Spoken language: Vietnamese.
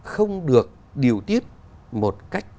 không được điều tiết một cách